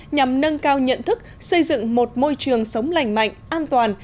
nhằm nâng cao nhận thức xây dựng một môi trường sống lành mạnh an toàn